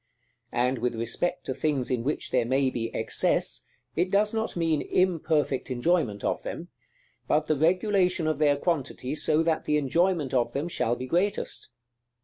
And with respect to things in which there may be excess, it does not mean imperfect enjoyment of them; but the regulation of their quantity, so that the enjoyment of them shall be greatest.